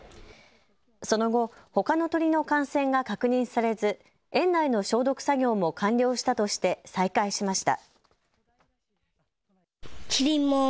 その後、ほかの鳥の感染が確認されず園内の消毒作業も完了したとして再開しました。